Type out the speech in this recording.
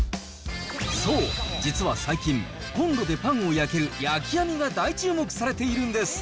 そう、実は最近、コンロでパンを焼ける焼き網が大注目されているんです。